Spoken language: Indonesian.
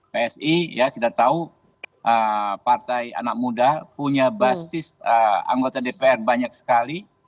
psi ya kita tahu partai anak muda punya basis anggota dpr banyak sekali